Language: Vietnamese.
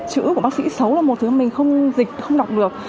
chữ của bác sĩ xấu là một thứ mình không dịch không đọc được